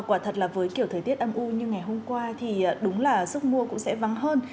quả thật là với kiểu thời tiết âm u như ngày hôm qua thì đúng là sức mua cũng sẽ vắng hơn